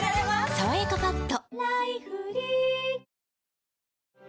「さわやかパッド」